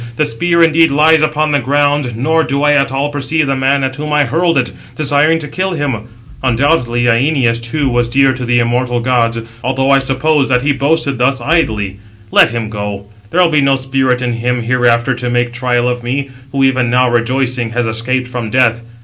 The spear indeed lies upon the ground, nor do I at all perceive the man at whom I hurled it, desiring to kill him. Undoubtedly Æneas, too, was dear to the immortal gods, although I supposed that he boasted thus idly. Let him go; there will be no spirit in him hereafter to make trial of me, who even now rejoicing, has escaped from death.